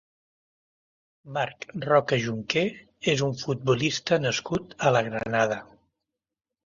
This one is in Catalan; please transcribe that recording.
Marc Roca Junqué és un futbolista nascut a la Granada.